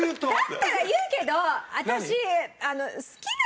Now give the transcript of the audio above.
だったら言うけど私。